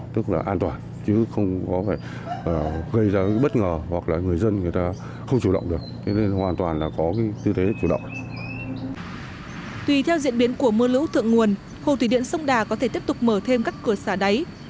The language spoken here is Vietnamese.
tùy theo diễn biến của mưa lũ thượng nguồn hồ thủy điện sông đà có thể tiếp tục mở thêm các cửa xả đáy